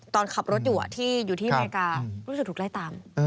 ตอนขับรถอยู่ที่อเมริการู้สึกถูกไล่ตาม